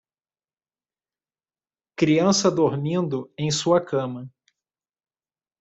criança dormindo em sua cama.